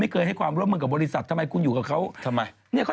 เค้าบอกว่ามากกิอ่ะ